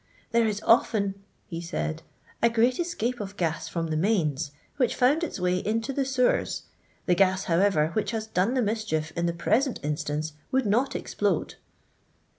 " There is often/' he said, " a greftt escape of gas from the mains, which found its way into the sew ers. The gas, however, which has done the mischief in the present instance would not explode.'